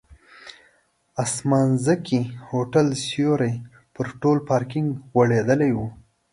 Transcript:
د اسمانځکي هوټل سیوری پر ټول پارکینک غوړېدلی و.